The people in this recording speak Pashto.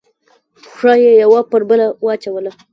پښه یې یوه پر بله واچوله.